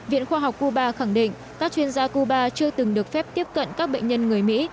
viện khoa học cuba khẳng định các chuyên gia cuba chưa từng được phép tiếp cận các bệnh nhân người mỹ